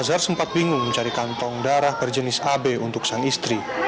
azhar sempat bingung mencari kantong darah berjenis ab untuk sang istri